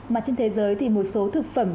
mà trên thế giới thì một số thực phẩm